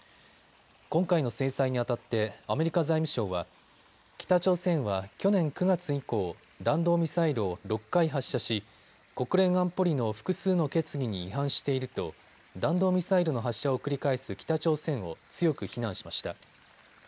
今回の制裁にあたってアメリカ財務省は、北朝鮮は去年９月以降、弾道ミサイルを６回発射し国連安保理の複数の決議に違反していると弾道ミサイルの発射を繰り返す北朝鮮を強く非難しました。